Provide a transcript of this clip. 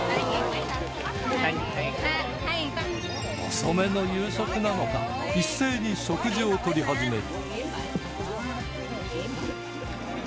遅めの夕食なのか一斉に食事を取り始める